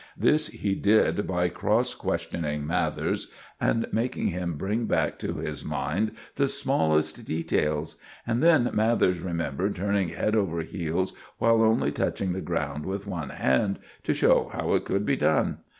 This he did by cross questioning Mathers, and making him bring back to his mind the smallest details; and then Mathers remembered turning head over heels while only touching the ground with one hand, to show how it could be done.